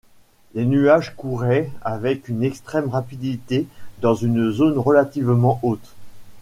Les nuages couraient avec une extrême rapidité dans une zone relativement haute